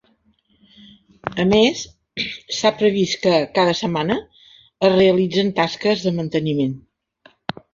A més, s’ha previst que cada setmana es realitzen tasques de manteniment.